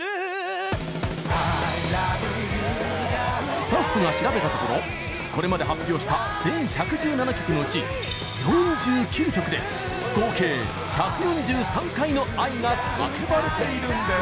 スタッフが調べたところこれまで発表した全１１７曲のうち４９曲で合計１４３回の「愛」が叫ばれているんです！